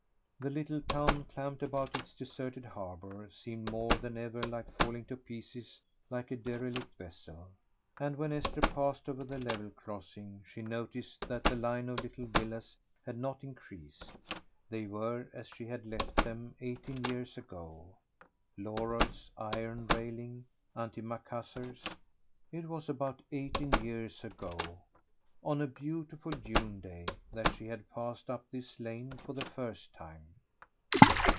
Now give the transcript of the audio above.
The little town clamped about its deserted harbour seemed more than ever like falling to pieces like a derelict vessel, and when Esther passed over the level crossing she noticed that the line of little villas had not increased; they were as she had left them eighteen years ago, laurels, iron railing, antimacassars. It was about eighteen years ago, on a beautiful June day, that she had passed up this lane for the first time.